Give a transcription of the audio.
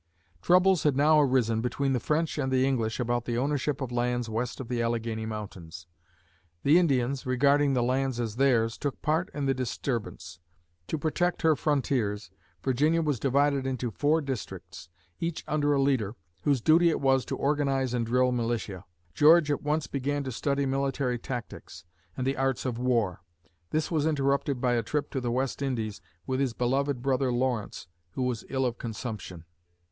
Troubles had now arisen between the French and the English about the ownership of lands west of the Alleghany Mountains. The Indians, regarding the lands as theirs, took part in the disturbance. To protect her frontiers, Virginia was divided into four districts, each under a leader, whose duty it was to organize and drill militia. George at once began to study military tactics and the arts of war. This was interrupted by a trip to the West Indies with his beloved brother Lawrence, who was ill of consumption.